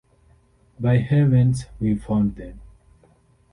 By heavens, we’ve found them.